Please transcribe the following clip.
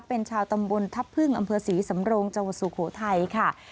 เป็นชาวตำบลทัพพึ่งอำเภอศรีสำโรงจังหวัดสุโขทัยค่ะ